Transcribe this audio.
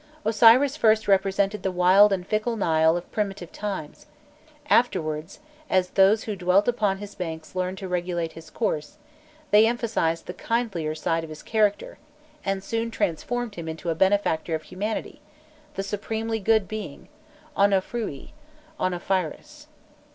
Osiris first represented the wild and fickle Nile of primitive times; afterwards, as those who dwelt upon his banks learned to regulate his course, they emphasized the kindlier side of his character and soon transformed him into a benefactor of humanity, the supremely good being, Ûnnofriû, Onnophris.